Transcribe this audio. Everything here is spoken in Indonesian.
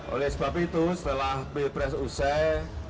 oleh sebab itu setelah pilpres usai